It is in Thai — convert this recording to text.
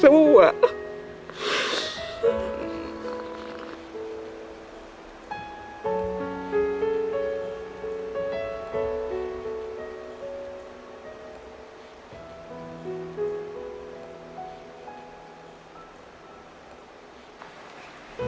แล้วลูกแม่แม่ยกได้จ้า